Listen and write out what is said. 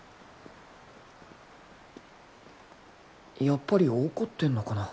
やっぱり怒ってんのかな